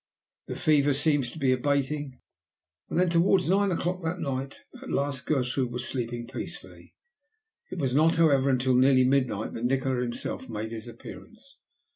"The fever seemed to be abating;" and then, towards nine o'clock that night, "at last Gertrude was sleeping peacefully." It was not, however, until nearly midnight that Nikola himself made his appearance.